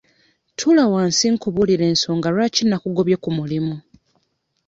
Tuula wansi nkubuulire ensonga lwaki nakugobye ku mulimu.